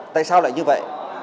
tại sao lại như vậy